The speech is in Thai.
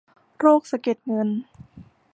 โรคสะเก็ดเงิน